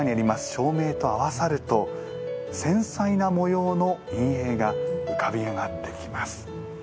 照明と合わさると繊細な模様の陰影が浮かび上がってきます。